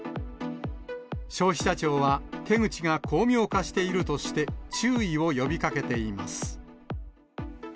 消費者庁は手口が巧妙化しているとして、注意を呼びかけています。